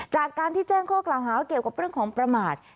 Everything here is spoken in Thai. จากการที่แจ้งข้อกล่าวหาเกี่ยวกับเรื่องของประมาท